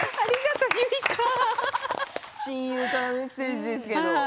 親友からのメッセージですけれど。